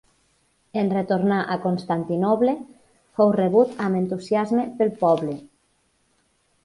En retornar a Constantinoble fou rebut amb entusiasme pel poble.